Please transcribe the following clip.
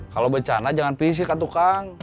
kalau bercanda jangan pisik kak tukang